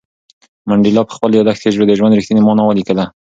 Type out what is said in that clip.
منډېلا په خپل یادښت کې د ژوند رښتینې مانا ولیکله.